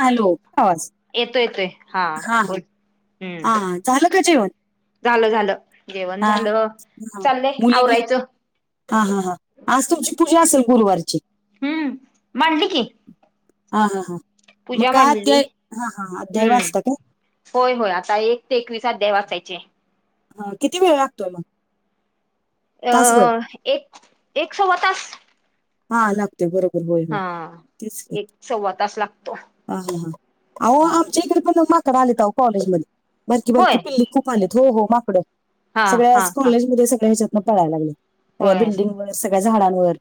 चालय होत आवाज येतो येतोय हा बोल हा हम्म हा झालं का जेवण झालं झालं जेवण हा झालं हा चालय मुलगी आवरायचं. हा हा हा आज तुमची पूजा असेल गुरुवारची हूं मांडली की, हा हा हां म पूजा काय मांडली अध्याय हा हा अध्याय हम्म वाचता काय? होय होय आता एक ते एकविस अध्याय वाचायचे. हं किती वेळ लागतोय मग, - अ एक एक सवा तास हा लागतोय बरोबर होय होय हा तेचकी एक सव्वा तास लागतो हा ह ह आहो आमच्या इकडे पण माकड आलेत आहो कॉलेजमध्ये बारकी होय बारकी पिल्ली खूप आलेत हो हो माकड हा सगळ्या हा हा कॉलेज मध्ये सगळ्या ह्याच्यात पळायला लागलेत सगळ्या होय बिल्डिंग वर सगळ्या झाडांवर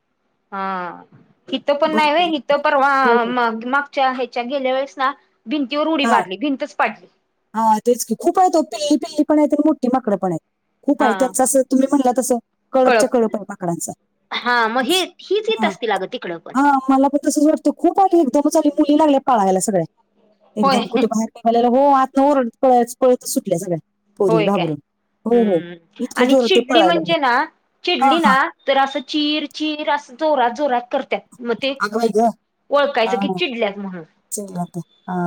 हा इथं पण नाय भरपूर व्हय इथं परवा हो हो माग माक च्या ह्याच्या गेल्या वेळेस ना भिंतीवर उडी हा मारली भिंतच पाडली. हा तेच की खूप आहे ओ पिल्ली पिल्ली पण आहेत आणि मोठी माकड पण आहेत. खूप आहे ओ हा जसं तुम्ही म्हणला तसं कळपच्या कळप आहे माकडांच हा म हे हीच येत असतील अग तिकडं पण हा मला पण तसच वाटतं खूप आली एकदमच आली मुली लागल्या पाळायला सगळ्या होय एकदम कुठे बाहेर मलाला हो आत ओरडच पळतच सुटल्या सगळ्या पोरी होय काय घाबरून. हो हो हूं इतक्या आणि जोरात ते चिडली पळायला लागले. म्हणजे ना हा चिडली हा ना तर असं चिर चिर असं जोरात जोरात करत्यात. म ते अगं बाई गं ओळखायचं की चिडल्यात म्हणून चिडल्यात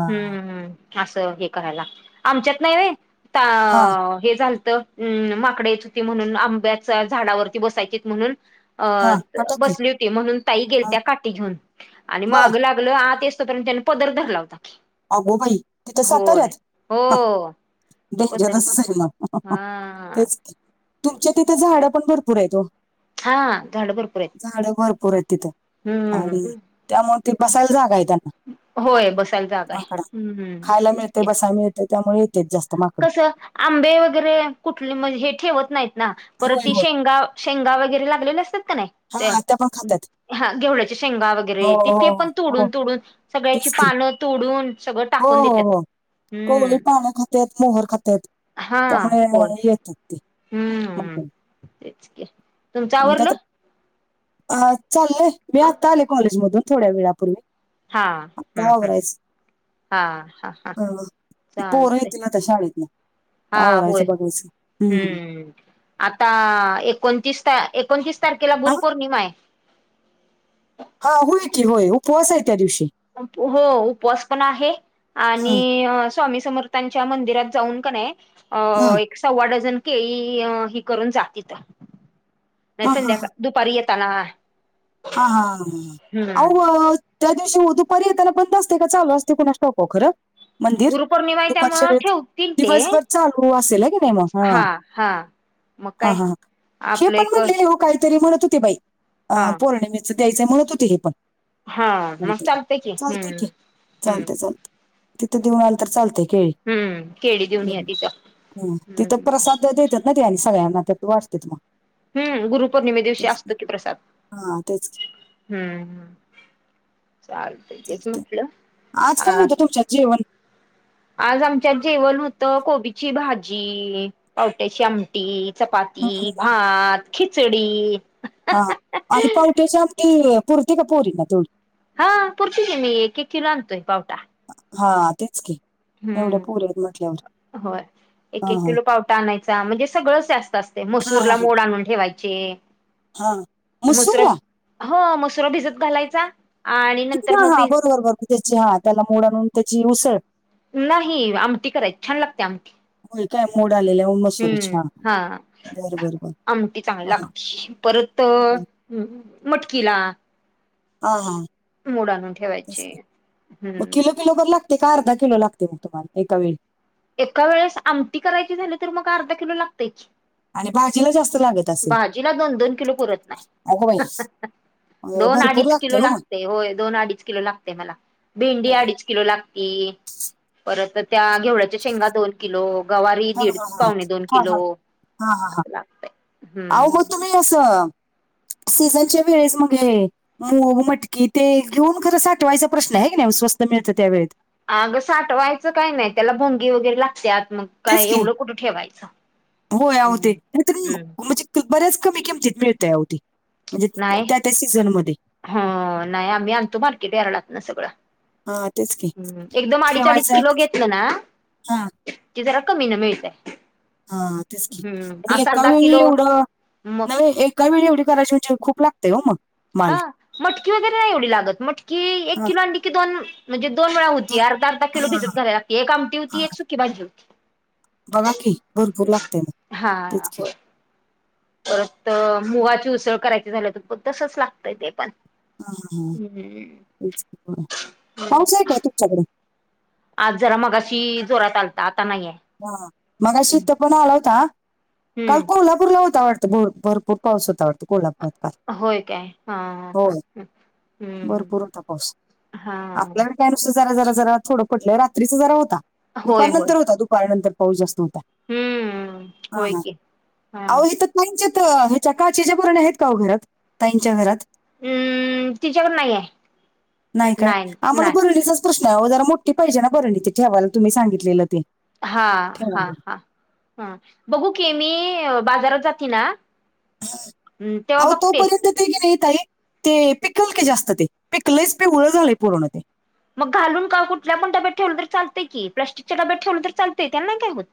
हम्म असं हे करायला लागत आमच्यात नाय व्हय ता हा ते झालत अम्म माकड येत होती म्हणून आंब्याच्या झाडावरती बसायचीत म्हणून अ हा हटा की बसली होती म्हणून ताई हा गेलत्या काठी घेऊन आणि बर माग लाग ल आत येउस्तवर पर्यंत त्यानी पदर धरला होता. अगो बई! तिथं होय साताऱ्यात ह हो डेंजर पदर असं [unintelligible] हा तेच की तुमच्या तिथं झाडं पण भरपूर आहेत ओ हा झाड भरपूर आहेत. झाड भरपूर आहेत तिथं आणि हम्म त्यामुळे ते बसायला जागा आहे त्यांना. होय बसायला जागा आहे माकडा हम्म खायला तेच मिळते, की बसाय मिळते, त्यामुळे येतेेत जास्त. माकडं कसं आंबे वगैरे कुठले म्हणजे हे ठेवत नाहीत ना. परत होय ती होय शेंगा शेंगा वगैरे लागलेले असतात का नाही? हा ते आत्या पण खात्यात हा घेवड्याच्या शेंगा वगैरे हो येत ते हो पण हो हो. तोडून तोडून सगळ्याची तेच की पानं तोडून सगळं हो, टाकून हो, देतात हो हम्म कळी पानंघा त्यात मोहर खात्यात, हा त्यामुळे होय येतात ते. हम्म अच्छा! तेच की तुमचं म आवरलं त्यात अ चालय मी आत्ता आले कॉलेज मधून थोड्या वेळापूर्वी. हा, हम्म आता हम्! आवरायचं हा हा. हा अ पोरं चालतय येतील ना त्या शाळेतन. हा होय आवरायचं बघायचं हम्म. आता एकोणतीस त- एकोणतीस तारखेला हा गुरुपौर्णिमा आहे. हा होय की होय उपवास आहे त्या दिवशी. हो उपवास पण आहे हं, आणि स्वामी समर्थांच्या मंदिरात जाऊन का नाही, हं, अ सव्वा डझन केळी हि करून जा तिथं. नाही हा हा हा संध्याकाळ दुपारी येताना. हा हा ह ह हम्म अव त्या दिवशी दुपारी येताला पण बंद असते का चालू असते कुणा स्टॉपो खरं. मंदिर गुरुपौर्णिमा आहे दुपारच्या त्यामुळं वेळ ठेवतील ते दिवसभर चालू असेल की नाही म हा? मग हा काय हा, हे आपलं पण एक म्हणले हा हो काहीतरी म्हणत होते बाई. अ पौर्णिमेचं द्यायचं म्हणत होते हे पण. हा मग लते चालतंय की चालते हम्म क चालत हम्म चालत. तिथं देऊन आल तर चालतय केळी. हम्म केळी देऊन या तिचं ह, तिथं हम्म प्रसाद देतात ना ते आणि सगळ्यांना त्यात वाजते मग, हम् गुरुपौर्णिमे दिवशी तेच. असतो की प्रसाद. हा तेच! हम्म हम्म! चाल चालतंय. आज पण मिळतंय तुमच्या जेवण? आज आमच्यात जेवण होतं, कोबीची भाजी, पावट्याशी आम टि, चपाती, हम्म. भात, खिचडी. हा हा, आणि पावट्याच्या ते पुरते का पोरीना तेवढी. हा पुरती की मी एक एक किलो आणतोय पावटा. हा तेच की, एवढ्या हम्म! पोरी आहेत म्हटल्यावर होय, एक हा एक हा किलो पाव आणायचा म्हणजे सगळंच जास्त असते हा हा मसूरला मोड आणून ठेवायचे. हा हा मुसरा मसूरला हो मसरा भिजत घालायचा आणि नंतर हा मग हा भि बरोबर बरोबर त्याची हा त्याला मोड आणून त्याची उसळ. नाही आमटी करायच छान लागते आमटी. होय काय मोड आलेल्या मसूरच्या हा बर बर बर आमटी ह. हम! हम्म! मटकीला. हा हा, मोड आणून ठेवायचे म हम्म किलो किलो तर ला ते का अर्धा किलो लागते मग तुम्हाला एका वेळी? एका वेळेस आमटी करायची झाली तर मग अर्धा किलो लागतंय की. आणि भाजीला जास्त लागत असेल भाजीला दोन दोन किलो पुरत अगं बाई नाही. अं, दोन भरपूर अडीच लागते किलो हो मग लागतंय होय, दोन अडीच किलो लाग ते मला भेंडी होय. अडीच किलो लागती, परत अ त्या घेवड चे शेंगा दोन किलो, गवारी हा दीड हा हा पावणे दोन हा हा किलो. हा हा हा हा, असं लागतय अहो मग हम्म तुम्ही असं सीझनच्या वेळेस मग हे म मूग, मटकी ते घेऊन खरं साठवायचा प्रश्न आहे की नाही स्वस्त मिळतं त्या वेळेत? अगं साठवायचं काही नाही, त्याला भोंगी वगैरे लागत्यात मग तेच काय की, एवढं कुठं ठेवायचं होय अहो ते हम्म [unintelligible] हम्म म्हणजे बऱ्याच कमी किमतीत मिळतंय अहो ती, म्हणजे नाही त्या त्या सीझनमध्ये. हो, नाही आम्ही आणतो मार्केट यार्डातनं सगळं. हा तेच की हम्म एकदम अडीच अडीच ठेवायचं आणि किलो तेच- घेतलं ना हा की जरा कमीनं मिळतंय. हा तेच की, अन एका वेळी किलो एवढं मग नव्हे एक का वेळी एवढी करायची म्हणजे खूप लागतंय ओ मग. माल हा मटकी वगैरे नाही एवढी लागत, मटकी एक हा किलो आणली की दोन म्हणजे दोन वेळा होती, दोन- अर्धा अर्धा किलो हा भिजत हा घालाय लागती एक आमटी हा. होती एक सुकी भाजी होती. बघा की, हम्म. भरपूर लागते मग हा तेच की. होय परत अ मुगाची उसळ करायची झाली तर तसच लागतंय ते पण. हा ह हम्म तेच की मग, हम्म. पाऊस आहे काय तुमच्याकडे? आज जरा मगाशी जोरात आलता, आता नाहीये. हा, मगाशी इथं पण आला होता, काल हम्म को कोल्हापूरला होता वाटतं, भर भरपूर पाऊस होता वाटतं कोल्हापूरात. होय काय? हा ह ह हम्म हा त्या नुसार जरा जरा जरा थोडं पडलं रात्रीचा जरा होता, होय होय दुपारनंतर होता दुपारनंतर पाऊस जास्त होता. हम्म हा होय हा, की हा आओ इथं‌ ताईंच्यात ह्याच्या काचेच्या बरण्या आहेत का ओ घरात? ताईंच्या घरात. हम्म तिच्याकडे नाही आहे नाही काय, आम्हाला [unintelligible] [unintelligible] जरा मोठी पाहिजे ना बरणी ती ते ठेवायला तुम्ही सांगितलेलं ते. हा हा ठेवायला हा हम्म, बघू की मी बाजारात जाती ना हम्म तेव्हा आओ बघते तोपर्यंत ते की नाही ताई ते पिकल की जास्त ते? पिकलयच पिवळ झालेय पूर्ण ते. मग घालून का कुठल्या पण डब्यात ठेवलं तरी चालतंय की, प्लास्टिकच्या डब्यात ठेवलं तरी चालतंय त्याला नाय काय होत.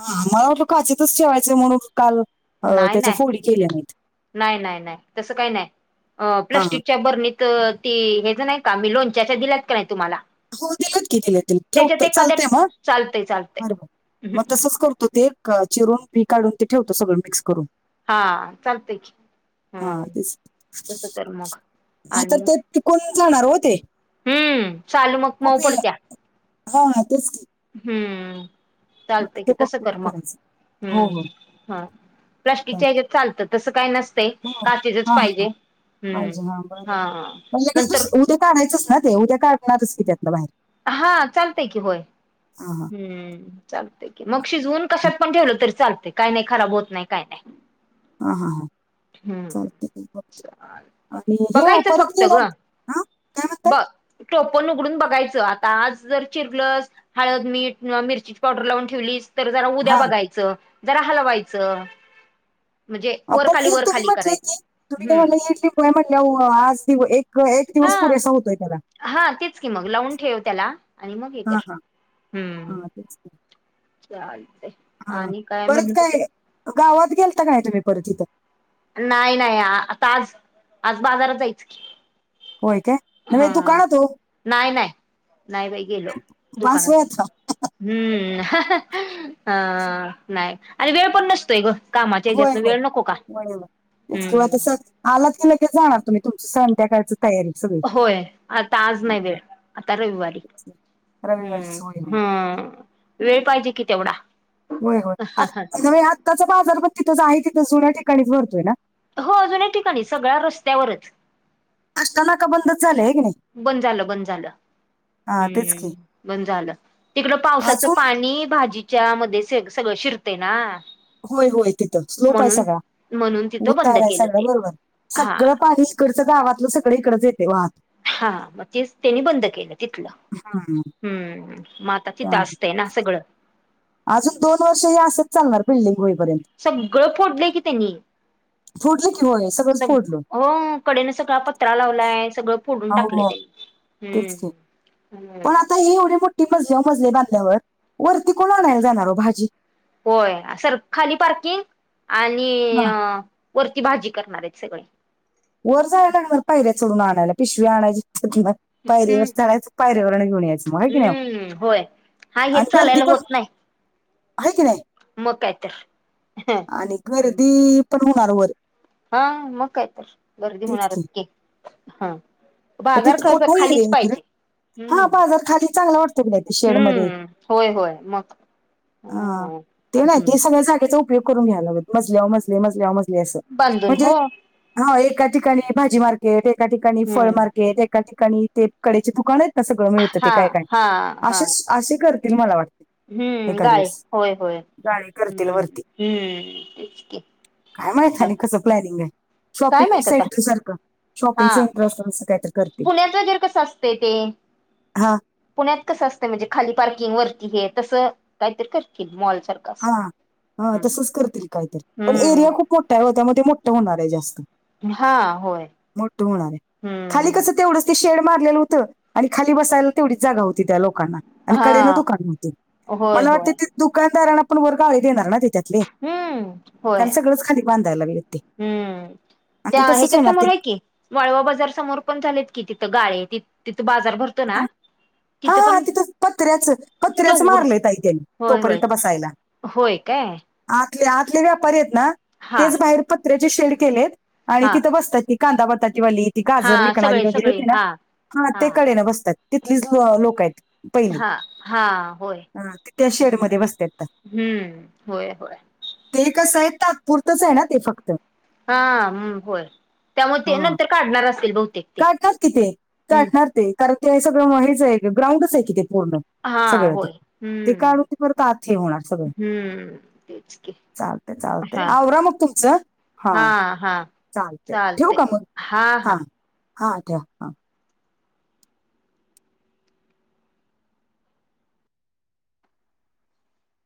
हा, मला वाटलं काचेच्याचं ठेवायचं म्हणून काल अं, नाय त्याच्या नाय, फोडी केल्या नाहीत नाय नाय नाय तसं काय नाय, अ हां, हां. प्लास्टिकच्या बरणीत त ती हेच नाही का, मी लोणच्याच्या दिल्यात का नाही तुम्हाला. हो दिल्यात की दिल्या दिल्यात, त्याच्यात ठेवत एखाद्या चालतंय मग? चालतंय चालतंय बरबर, मग तसंच करतो ते क चिरून बी काढून ते ठेवतो सगळं मिक्स करून. हा चालतंय की हा हम्म तेच, तसं कर मग नाही तर आणि ते पिकून जाणार हो ते. हम्म, साल मग मऊ खूप हे पडत्या, हां, हां, तेच की. हम्म. आता चालतंय ते की तसं बघतो ते कर मग, करायचं. हो, हो. हम्म ह प्लास्टिकच्या हेच्या चालतं तसं काय नस ते हो. काचेच च हां, हां, पाहिजे हां. हम्म पाहिजे. हा नंतर काढायंच ना ते उद्या काढणारच की त्यातलं बाहेर हा चालतय की होय. हा हा हम्म चालतय की मग शिजवून हं. कशात पण ठेवलं तरी चालतय काय नाही खराब होत नाही काय नाही हा हा हां हम्म चालतय की आणि हो बघायचं परत फक्त गेला हा काय म्हणताय टोपन उघडून बघायचं आता आज जर चिरलस हळद, मीठ, मिरचीची पावडर लावून ठेवलीस तर जरा उद्या हां. बघायचं जरा हलवायचं. म्हणजे वर आपण खाली [unintelligible] वर तुम्ही खाली म्हटले करायचं की तुम्ही काय हम्म म्हणल्या इडलिंबू आहे म्हंटल्यावर आज दीव एक एक दिवस हा पुरेसा होतोय त्याला हा तेच की मग लावून ठेव त्याला आणि मग हे हा कर हा हा हम्म तेच की. चालतय हा आणि काय परत म्हणत होती काय गावात गेलता काय नाय तुम्ही परत तिथं. नाही नाही आता आज आज बाजारात जायच की होय काय हा नव्हे दुकानात हो नाय नाय नाही बाई गेलो पाच दुकानात वेळात हम्म अहाहा हा नाही आणि वेळ पण नसतोय ग कामाच्या होय ह्याच्यातन होय वेळ नको का होय होय तेच की हम्म कसं आलात की लगेच जाणार तुम्ही तुमच संध्याकाळच तयारी सगळी होय आता आज हा, नाही हा. वेळ आता रविवारी रविवारीच हम्म होय होय हम्म वेळ पाहिजे कि तेवढा होय होय आ न्हवे आत्ताचा बाजार पण तिथंच आहे तिथं जुन्या ठिकाणीच भरतोय ना हो जुनी ठिकाणीच सगळा रस्त्यावरच आष्टा नाका बंदच झालय होय की नाही बंद झालं बंद झालं हा तेच हम्म की बंद झालं. तिकडं पावसाचं अजून पाणी भाजीच्या मध्ये सगळं शिरतय ना होय होय तिथं स्लोप आहे म्हणून सगळा म्हणून तिथं बंद उतार आहे केलं सगळा ते बरोबर हा सगळं पाणी इकडचं गावातलं सगळी इकडच येते वहात हा मग तेच त्यांनी बंद केलं तिथलं हा हम्म म आता तिथं असतंय ना सगळं अजून दोन वर्ष हे असेच चालणार बिल्डिंग होईपर्यंत सगळं फोडलं की त्यांनी फोडलय की होय सगळं सग हो कडेन सगळा पत्रा लावलाय सगळं फोडून हो टाकलं हो त्यांनी तेच की हम्म पण आता हे एवढी मोठी मजल्यावर मजले बांधल्यावर वरती कोण आणायला जाणार हो भाजी होय सर खाली पार्किंग आणि हा अ वरती भाजी करणार आहेत सगळे वर जायला लागणार पायऱ्या चढून आणायला पिशव्या आणायच्या तिथंन पायरीवर हम्म चढायचं पायरीवरून घेऊन यायचं मग होय की नाही ओ हम्म होय हा हेच चालायला होत नाही आहे की नाही मग काय तर आणि गर्दी पण होणार वर हा मग काय तर गर्दी होणारच की हा मग बाजार तिथं कसं मोठा खालीच एरिया पाहिजे. हम्म. हा बाजार खाली चांगला वाटतो की नाही ते शेड मध्ये हम्म. होय होय मग? ह. हो ते नाही हम्म. ते सगळ्या [unintelligible] उपयोग करून घ्यायला लागलेत, मजल्यावर मजले मजल्यावर मजले असं. बांधून म्हणजे? हो. - हां. एका ठिकाणी भाजी मार्केट. एका ठिकाणी फळ हम्म. मार्केट. एक - -का ठिकाणी ते कडेचे दुकान आहेत ना? सगळं मिळतं ते हा काय काय? हा हा असेच असे करतील मला वाटते. हम्म. एखाद गाय वेळेस होय होय. गाडी हम्म करतील हम्म. वरती तेच की. काय माहित आणि कसं प्लॅनिंग आहे? काय शॉपिंग माहित आता सेंटर सारखं. शॉपिंग हा सेंटर [unintelligible] अस काहीतरी करतील. पुण्यात वगैरे कसं असतंय ते हा. पुण्यात कसं असतं? म्हणजे खाली पार्किंग वरती हे तसं काहीतरी करतील मॉल सारखं. असं. हा. हा हम्म तसंच करतील कायतरी. पण एरिया हम्म. खूप मोठ्ठा आहे हो, त्यामुळे ते मोठ्ठ होणार आहे जास्त. हा होय. मोठ्ठ होणार आहे. खाली हम्म. कस तेवढं- ते शेड मारलेलं होत. आणि खाली बसायला तेवढीच जागा होती त्या लोकांना. आणि कडेनं हा दुकान होते होय मला वाटते होय ते- दुकानदारांना पण वर गाळे देणार ना त्याच्यातले. हम्म कारण होय सगळंच खाली बांधायला लागले. ते हम्म. आणि त्या ते तसंच ह्याच्या होणार ते समोर आहे की. वाळवा बाजार समोर पण झालेत कि तिथं गाळे. तिथं बाजार भरतो ना? हा हा. ह तिथं कत्र्याच कतऱ्याच केवढ मारले ताई तेनी होय होय तोपर्यंत बसायला. होय काय? आतले आतले व्यापारी आहेत ना? हा तेच बाहेर पत्र्याचे शेड केलेत आणि हा तिथं बसताय ते. कांदा बटाटे वाली, ती हा गाजर विकणारी सगळे वगैरे सगळे होते ना? हा हा. ते कडेला बस- तात. तिथलीच लोक आहेत. हा. हा. होय. हा, ते त्या शेडमध्ये बसतात हम्म. होय होय. ते कसंय? तात्पुरतच आहे ना ते फक्त? हा. हं. होय त्यामुळे ते हं. नंतर काढणार असतील बहुतेक? ते काढणार कि ते. हम्म काढणार ते कारण ते सगळं हेच आहे. ग्राउंडच आहे कि ते पूर्ण. हा सगळं ते. होय ते काढून हम्म ते परत आत हे होणार सगळं. हम्म तेच की चालतय. चालतय. हा आवरा मग तुमचं. हा हा. चालतेय. ठेवू का मग? हा हा ठेवा.